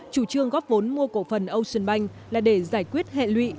chủ trương góp vốn mua cổ phần ocean bank là để giải quyết hệ lụy